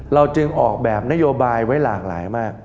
จึงออกแบบนโยบายไว้หลากหลายมาก